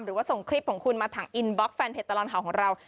หรือว่าส่งคลิปของคุณมาทางอินบล็อกแฟนเพจตลอดข่าวของเรา